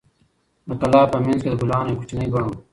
د کلا په منځ کې د ګلانو یو کوچنی بڼ و.